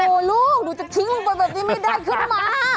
โอ้โหลูกหนูจะทิ้งลงไปแบบนี้ไม่ได้ขึ้นมา